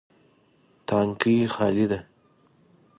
تانکی خالي ده